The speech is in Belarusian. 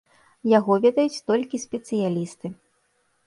Яго ведаюць толькі спецыялісты.